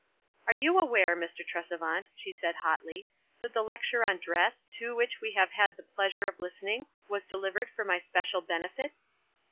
"Are you aware, Mr. Tresevant," she said, hotly, "that the lecture on dress, to which we have had the pleasure of listening, was delivered for my special benefit?"